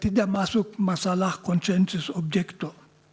tidak masuk masalah konsensus objekto